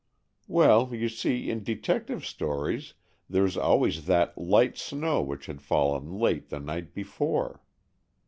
"Well, you see, in detective stories, there's always that 'light snow which had fallen late the night before.